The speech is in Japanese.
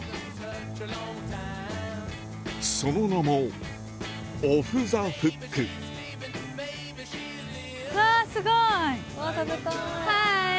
その名も、うわー、すごい。